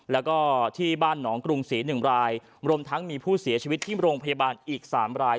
แล้วก็ที่บ้านหนองกรุงศรี๑รายรวมทั้งมีผู้เสียชีวิตที่โรงพยาบาลอีก๓ราย